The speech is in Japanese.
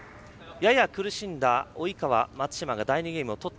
やや苦しんだ及川、松島が第２ゲームを取った。